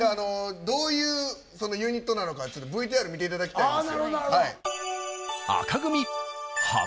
どういうユニットなのかっていうのＶＴＲ見ていただきたいんですよ。